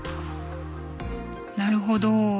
なるほど。